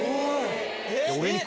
えっ！